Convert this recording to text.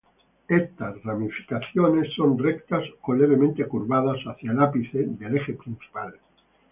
Estas ramificaciones son rectas o levemente curvadas hacia el ápice del eje principal.